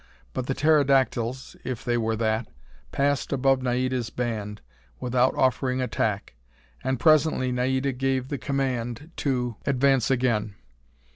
But, the Pterodactyls if they were that passed above Naida's band without offering attack, and presently Naida gave the command to advance again.